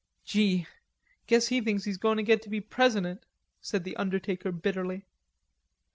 "Gee, guess he thinks he's goin' to get to be president," said the undertaker bitterly.